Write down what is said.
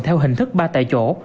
theo hình thức ba tại chỗ